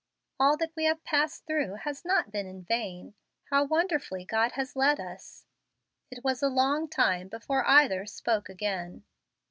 "All that we have passed through has not been in vain. How wonderfully God has led us!" It was a long time before either spoke again.